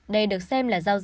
đây được xem là giao dịch